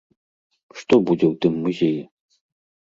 Што будзе ў тым музеі?